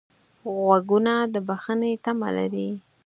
غوږونه د بښنې تمه لري